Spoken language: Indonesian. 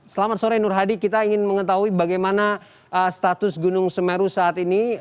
selamat sore nur hadi kita ingin mengetahui bagaimana status gunung semeru saat ini